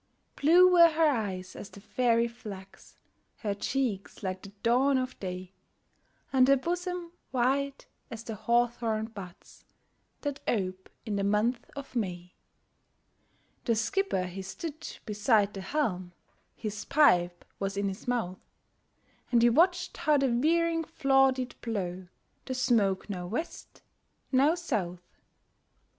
Blue were her eyes as the fairy flax, Her cheeks like the dawn of day, And her bosom white as the hawthorn buds, That ope in the month of May. The skipper he stood beside the helm, His pipe was in his mouth, And he watched how the veering flaw did blow The smoke now West, now South.